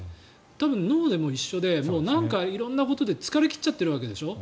多分、脳も一緒でなんか色んなことで疲れ切っちゃっているわけでしょ。